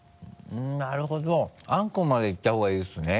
うんなるほどあんこまでいったほうがいいですね。